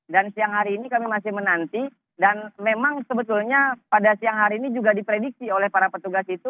dan siang hari ini kami masih menanti dan memang sebetulnya pada siang hari ini juga diprediksi oleh para petugas itu